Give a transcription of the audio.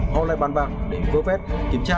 họ lại bàn bạc để vỡ vét kiểm tra